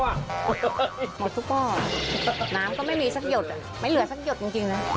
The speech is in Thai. น้ำก็ไม่มีสักหยดไม่เหลือสักหยดจริงนะ